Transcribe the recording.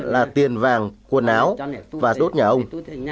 là tiền vàng quần áo và đốt nhà ông